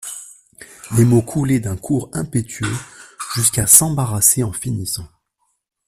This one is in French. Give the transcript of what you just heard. Les mots coulaient d'un cours impétueux, jusqu'à s'embarrasser en finissant.